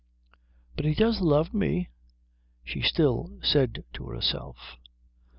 "But he does love me," she still said to herself.